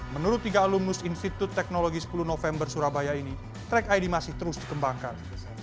menurut tiga alumnus institut teknologi sepuluh november surabaya ini track id masih terus dikembangkan